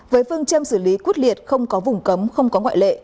với phương châm xử lý quốc liệt không có vùng cấm không có ngoại lệ